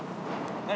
何？